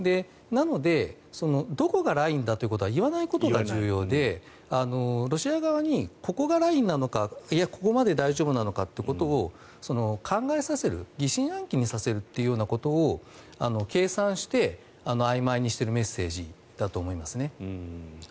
なのでどこがラインだということは言わないことが重要でロシア側にここがラインなのかいや、ここまで大丈夫なのかってことを考えさせる疑心暗鬼にさせることを計算してあいまいにしているメッセージだと思います。